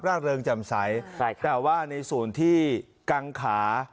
เริงจำใสแต่ว่าในส่วนที่กังขา